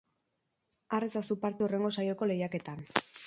Har ezazu parte hurrengo saioko lehiaketan!